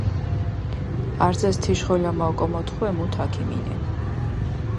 არძას თიშ ღოლამა ოკო მოთხუე, მუთ აქიმინენ.